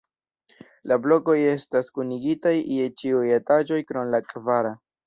La blokoj estas kunigitaj je ĉiuj etaĝoj krom la kvara.